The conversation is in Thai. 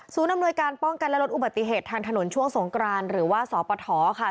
อำนวยการป้องกันและลดอุบัติเหตุทางถนนช่วงสงกรานหรือว่าสปทค่ะ